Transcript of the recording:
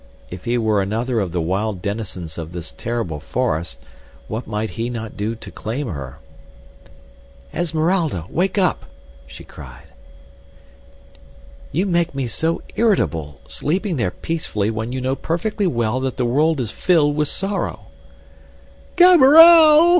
If he were another of the wild denizens of this terrible forest what might he not do to claim her? "Esmeralda! Wake up," she cried. "You make me so irritable, sleeping there peacefully when you know perfectly well that the world is filled with sorrow." "Gaberelle!"